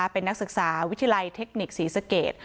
เป็นนักศึกษาวิทยาลัยเทคนิคศรีสเกต